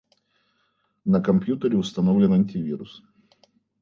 На компьютере установлен антивирус